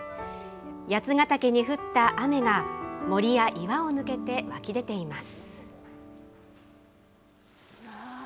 八ヶ岳に降った雨が森や岩を抜けて湧き出ています。